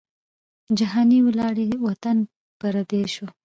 جهاني ولاړې وطن پردی سو